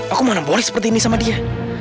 aku mana boleh seperti ini sama dia